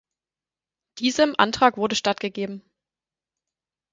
Diesem Antrag wurde stattgegeben.